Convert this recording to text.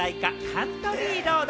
『カントリー・ロード』。